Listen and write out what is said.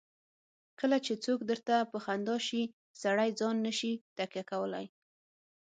کله چې څوک درته په خندا شي سړی ځان نه شي تکیه کولای.